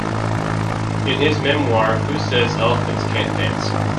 In his memoir, Who Says Elephants Can't Dance?